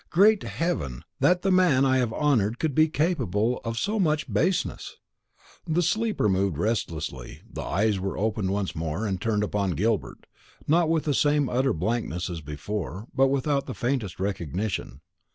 Great heaven! that the man I have honoured could be capable of so much baseness!" The sleeper moved restlessly, the eyes were opened once more and turned upon Gilbert, not with the same utter blankness as before, but without the faintest recognition.